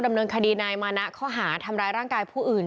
ดำเนินคดีนายมานะข้อหาทำร้ายร่างกายผู้อื่น